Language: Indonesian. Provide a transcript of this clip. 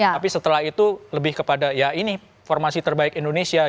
tapi setelah itu lebih kepada ya ini formasi terbaik indonesia